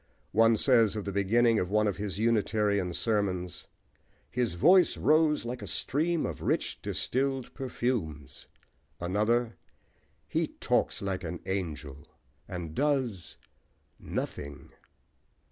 One says, of the beginning of one of his Unitarian sermons: "His voice rose like a stream of rich, distilled perfumes;" another, "He talks like an angel, and does nothing!"